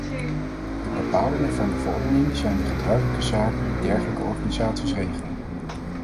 De bepalingen van de verordening zijn de gebruikelijke zaken die dergelijke organisaties regelen.